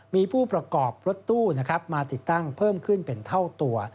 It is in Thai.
มีผู้ประกอบรถตู้มาติดตั้งเพิ่มขึ้นเป็นเท่าตัว